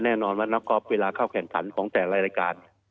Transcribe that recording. แน่นอนว่านักกอล์ฟเวลาเข้าแข่งขันของแต่รายการ